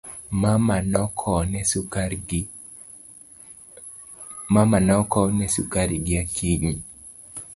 Mama nokowne sukari gi Akinyi.